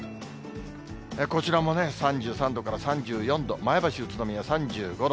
こちらもね、３３度から３４度、前橋、宇都宮３５度。